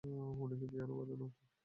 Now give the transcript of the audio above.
উনি কি পিয়ানো বাজাতেন?